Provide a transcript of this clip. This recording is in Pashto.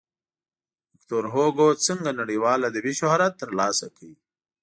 ویکتور هوګو څنګه نړیوال ادبي شهرت ترلاسه کړ.